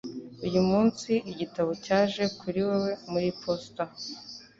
Uyu munsi, igitabo cyaje kuri wewe muri posita.